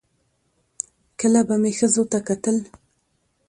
کله به مې ښځو ته کتل